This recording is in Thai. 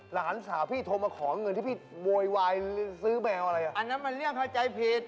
หลานสาวพี่โทรมาขอเงินที่พี่โวยวายซื้อแมวอะไรอ่ะอันนั้นมันเรื่องเข้าใจผิด